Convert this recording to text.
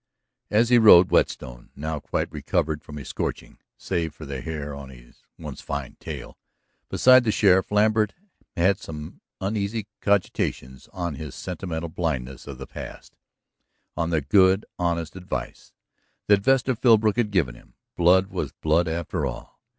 As he rode Whetstone now quite recovered from his scorching, save for the hair of his once fine tail beside the sheriff, Lambert had some uneasy cogitations on his sentimental blindness of the past; on the good, honest advice that Vesta Philbrook had given him. Blood was blood, after all.